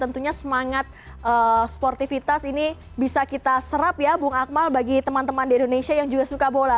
tentunya semangat sportivitas ini bisa kita serap ya bung akmal bagi teman teman di indonesia yang juga suka bola